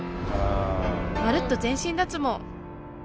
まるっと全身脱毛。